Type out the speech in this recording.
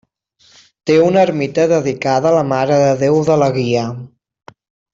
Té una ermita dedicada a la Mare de Déu de la Guia.